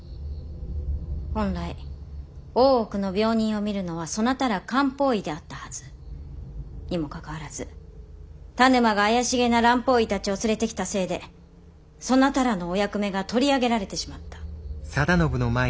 本来大奥の病人を診るのはそなたら漢方医であったはず。にもかかわらず田沼が怪しげな蘭方医たちを連れてきたせいでそなたらのお役目が取り上げられてしまった。